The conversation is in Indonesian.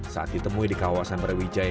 saat ditemui di kawasan brawijaya